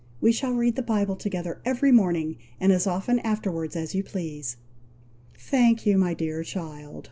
We shall read the Bible together every morning, and as often afterwards as you please." "Thank you, my dear child!